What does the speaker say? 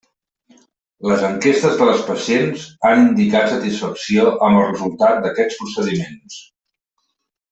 Les enquestes de les pacients han indicat satisfacció amb el resultat d'aquests procediments.